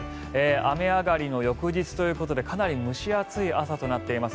雨上がりの翌日ということでかなり蒸し暑い朝となっています。